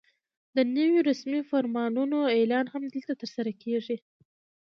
د نویو رسمي فرمانونو اعلان هم دلته ترسره کېږي.